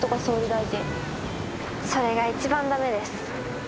それが一番駄目です。